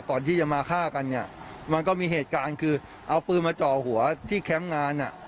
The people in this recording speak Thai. ก่อนที่จะมาฆ่ากันเนี่ยมันก็มีเหตุการณ์คือเอาปืนมาจ่อหัวที่แคมป์งานอ่ะ